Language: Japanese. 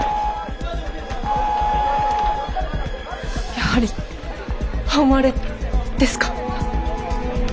やはり半割れですか？